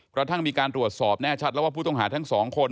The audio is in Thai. กระทั่งมีการตรวจสอบแน่ชัดแล้วว่าผู้ต้องหาทั้งสองคน